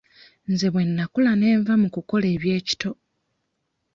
Nze bwe nnakula ne nva mu kukola eby'ekito.